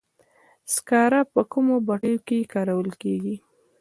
سکاره په کومو بټیو کې کارول کیږي؟